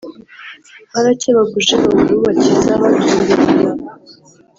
Barakebaguje babura ubakiza Batumbiriye